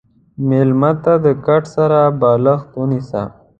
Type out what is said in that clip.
مېلمه ته د کټ سره بالښت ونیسه.